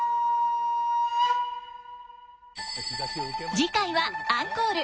次回はアンコール。